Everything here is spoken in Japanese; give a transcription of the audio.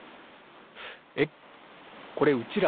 えっこれうちら